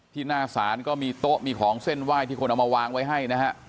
หน้าศาลก็มีโต๊ะมีของเส้นไหว้ที่คนเอามาวางไว้ให้นะฮะ